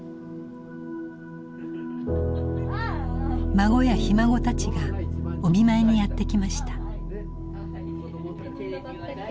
孫やひ孫たちがお見舞いにやって来ました。